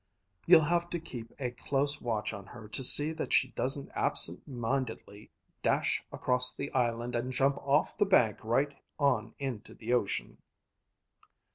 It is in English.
You'll have to keep a close watch on her to see that she doesn't absentmindedly dash across the island and jump off the bank right on into the ocean."